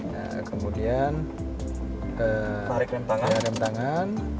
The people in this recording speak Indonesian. nah kemudian tarik tangan rem tangan